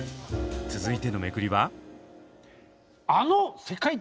続いてのめくりは？